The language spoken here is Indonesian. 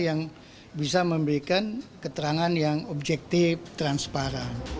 yang bisa memberikan keterangan yang objektif transparan